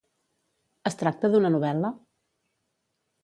Es tracta d'una novel·la?